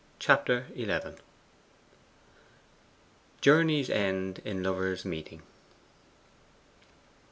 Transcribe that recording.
Chapter XI 'Journeys end in lovers meeting.